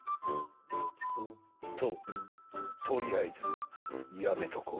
ととりあえずやめとこう。